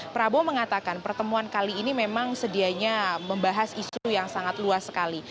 prabowo mengatakan pertemuan kali ini memang sedianya membahas isu yang sangat luas sekali